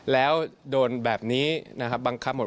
แล้วโดนแบบนี้นะครับบังคับหมด